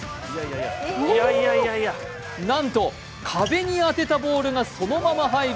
なんと壁に当てたボールがそのまま入る